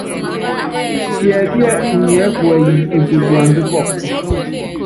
Tiɛkíɛ inyiɛ́ kuɛyini epue puanda kɔkɔ?